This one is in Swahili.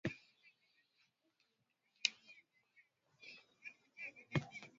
Constatin njo alianzisha ku Sali siku ya dimanche